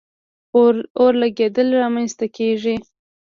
اور لګېدل را منځ ته کیږي.